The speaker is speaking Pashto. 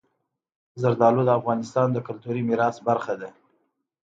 زردالو د افغانستان د کلتوري میراث برخه ده.